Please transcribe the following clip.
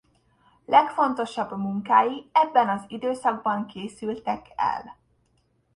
Legfontosabb munkái ebben az időszakban készültek el.